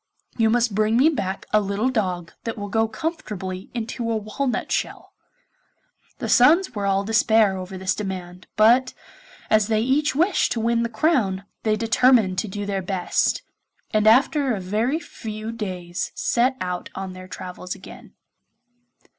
You must bring me back a little dog that will go comfortably into a walnut shell.' The sons were all in despair over this demand, but as they each wished to win the crown, they determined to do their best, and after a very few days set out on their travels again.